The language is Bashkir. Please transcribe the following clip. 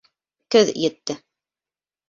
Көҙ етте.